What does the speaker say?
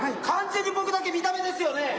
完全に僕だけ見た目ですよね？